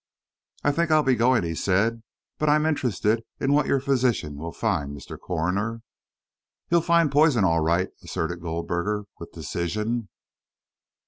"I think I'll be going," he said. "But I'm interested in what your physician will find, Mr. Coroner." "He'll find poison, all right," asserted Goldberger, with decision.